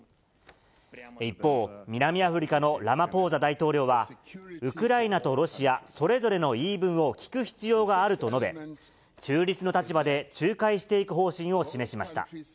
一方、南アフリカのラマポーザ大統領は、ウクライナとロシア、それぞれの言い分を聞く必要があると述べ、中立の立場で仲介していく方針を示しました。